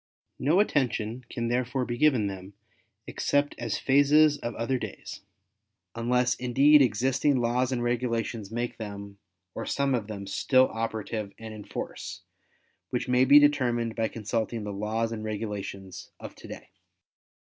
No attention can therefore be given them except as phases of other days, unless indeed existing laws and regulations make them, or some of them still operative and in force, which may be determined by consulting the laws and regulations of today.